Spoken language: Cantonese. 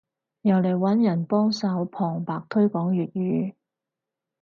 又嚟揾人幫手旁白推廣粵語